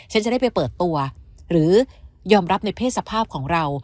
ฉันจะได้ไปเปิดตัวหรือยอมรับในเพศสภาพของเรา